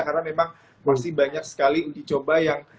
karena memang masih banyak sekali uji coba yang